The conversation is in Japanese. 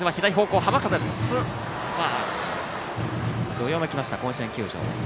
どよめきました、甲子園球場。